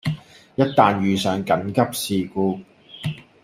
一旦遇上緊急事故